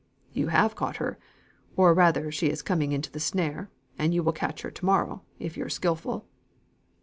"You have caught her. Or rather she is coming into the snare, and you will catch her to morrow, if you're skilful."